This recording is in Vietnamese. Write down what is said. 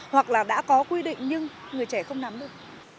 hoặc là đã có quy định nhưng người trẻ không nắm được